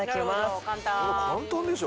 これ簡単でしょ。